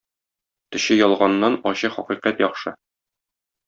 Төче ялганнан ачы хакыйкать яхшы.